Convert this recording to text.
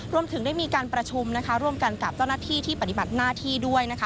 รวมถึงได้มีการประชุมนะคะร่วมกันกับเจ้าหน้าที่ที่ปฏิบัติหน้าที่ด้วยนะคะ